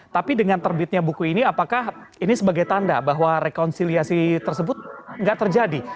tapi dengan terbitnya buku ini apakah ini sebagai tanda bahwa rekonsiliasi tersebut nggak terjadi